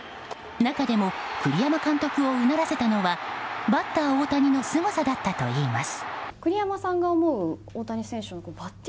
中でも栗山監督をうならせたのはバッター大谷のすごさだったといいます。